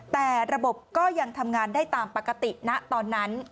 แต่ระบบก็ยังทำงานได้ตามปกติณตอนนั้น